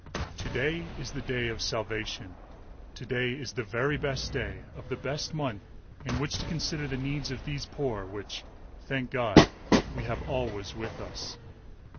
"To day is the day of salvation." To day is the very best day of the best month in which to consider the needs of these poor which, thank God, "we have always with us."